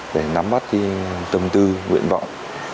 để nắm bắt tâm tư nguyện vọng